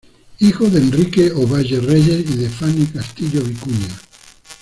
Hijo de Enrique Ovalle Reyes y de Fanny Castillo Vicuña.